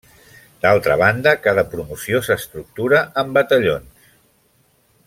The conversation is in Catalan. D'altra banda, cada promoció s'estructura en batallons.